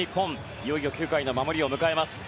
いよいよ９回の守りを迎えます。